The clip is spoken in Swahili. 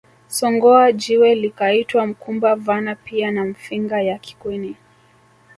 Songoa jiwe likaitwa mkumba vana pia na Mfinga ya Kikweni